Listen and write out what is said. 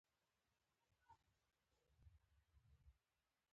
د خط له رامنځته کېدو سره ارشیفونه زیات شول.